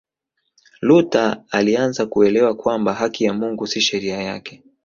Luther alianza kuelewa kwamba haki ya Mungu si sheria yake